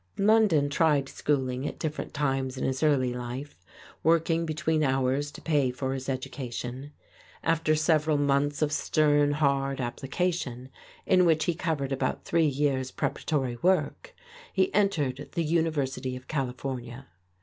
London tried schooling at different times in his early life, working between hours to pay for his education. After several months of stern, hard application, in which he covered about three years' preparatory work, he entered the University of California.